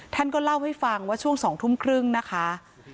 ท่านก็เล่าให้ฟังว่าช่วง๒ทุ่มครึ่งนะคะ